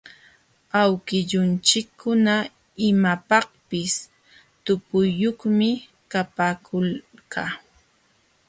Awkillunchikkuna imapaqpis tupuyuqmi kapaakulqa.